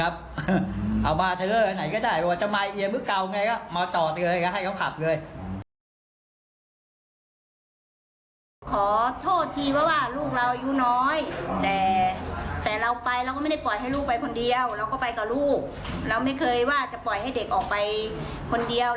แล้วไม่เคยว่าจะปล่อยให้เด็กออกไปคนเดียว